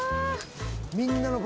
みんなの分？